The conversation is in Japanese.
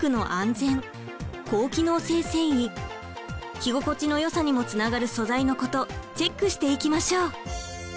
着心地のよさにもつながる素材のことチェックしていきましょう。